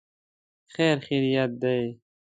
خیر خیریت دی.